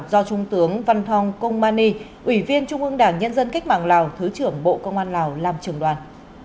do trung tướng văn thong kong mani ủy viên trung ương đảng nhân dân cách mạng lào thứ trưởng bộ công an lào làm trưởng đoàn